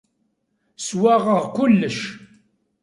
Swaɣeɣ kullec.